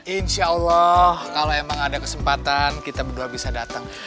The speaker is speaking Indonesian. insya allah kalau emang ada kesempatan kita berdua bisa datang